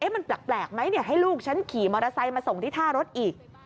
มันแปลกไหมให้ลูกฉันขี่มอเตอร์ไซค์มาส่งที่ท่ารถอีก